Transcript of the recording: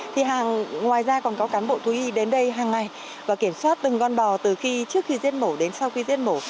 thì ngoài ra còn có cán bộ thú y đến đây hàng ngày và kiểm soát từng con bò từ khi trước khi giết mổ đến sau khi giết mổ